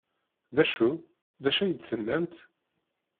D acu? D acu ay d-tennamt?